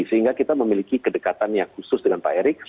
sehingga kita memiliki kedekatan yang khusus dengan pak erik